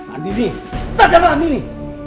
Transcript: andini sadarlah andini